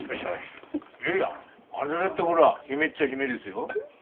いやいやあなただってほら姫っちゃ姫ですよ？